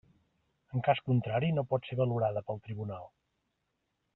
En cas contrari, no pot ser valorada pel tribunal.